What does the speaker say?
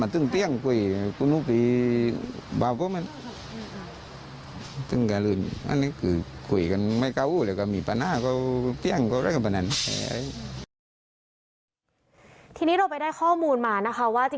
ทีนี้เราไปได้ข้อมูลมานะคะว่า